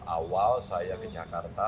sembilan puluh enam awal saya ke jakarta